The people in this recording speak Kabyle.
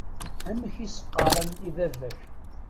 Amek i s-qqaṛen i baba-k?